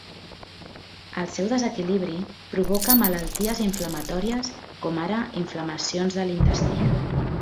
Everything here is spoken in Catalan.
El seu desequilibri provoca malalties inflamatòries com ara inflamacions de l'intestí.